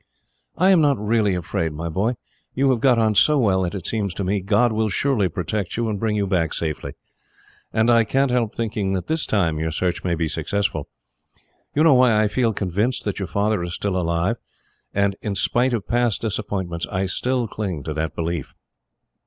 "I am not really afraid, my boy. You have got on so well that, it seems to me, God will surely protect you and bring you back safely. And I can't help thinking that this time your search may be successful. You know why I feel convinced that your father is still alive, and, in spite of past disappointments, I still cling to the belief."